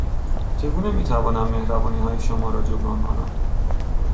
چگونه میتوانم مهربانیهای شما را جبران کنم